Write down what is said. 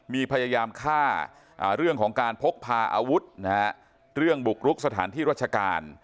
มีพยายามฆ่าเรื่องของการพกพาอาวุธนะฮะเรื่องบุกรุกสถานที่ราชการ